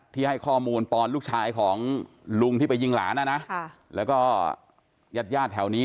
ให้ข้อมูลปอนลูกชายของลุงที่ไปยิงหลานนะนะแล้วก็ญาติญาติแถวนี้